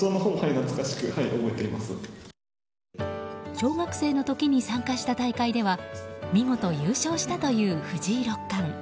小学生の時に参加した大会では見事優勝したという藤井六冠。